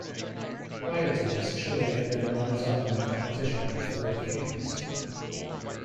Prior to this, Chile had been runners-up in the competition on four occasions.